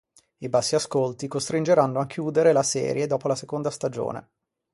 I bassi ascolti costringeranno a chiudere la serie dopo la seconda stagione.